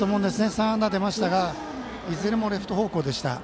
３安打は出ましたがいずれもレフト方向でした。